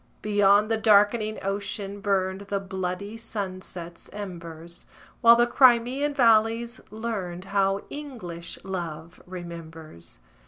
Beyond the darkening ocean burned The bloody sunset's embers, While the Crimean valleys learned How English love remembers.